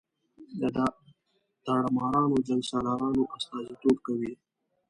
د داړه مارانو او جنګ سالارانو استازي توب کوي.